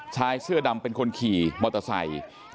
ชายเสื้อดำเป็นคนขี่มอเตอร์ไซค์